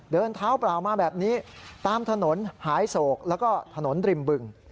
เดินเท้าเปล่ามาแบบนี้ตามถนนหายโศกแล้วก็ถนนริมบึง